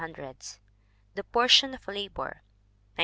The Portion of Labor, 1901.